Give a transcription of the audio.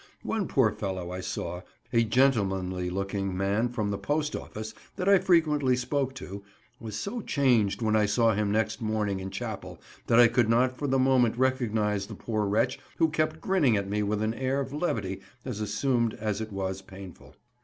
One poor fellow I saw, a gentlemanly looking man from the Post office, that I frequently spoke to, was so changed when I saw him next morning in Chapel that I could not for the moment recognize the poor wretch who kept grinning at me with an air of levity as assumed as it was painful.